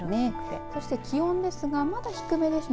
気温ですが、まだ低めですね